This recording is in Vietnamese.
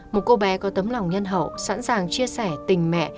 một cô bé có tấm lòng nhân hậu sẵn sàng chia sẻ tình mẹ